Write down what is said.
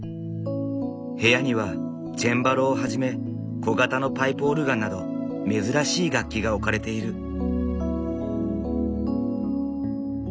部屋にはチェンバロをはじめ小型のパイプオルガンなど珍しい楽器が置かれている。